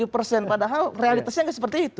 padahal realitasnya tidak seperti itu